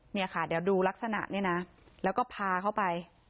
เนี่ยค่ะเดี๋ยวดูลักษณะนี่นะแล้วก็พาเขาไป